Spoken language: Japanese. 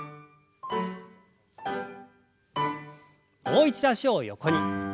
もう一度脚を横に。